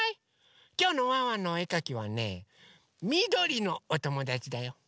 きょうのワンワンのおえかきはねみどりのおともだちだよ。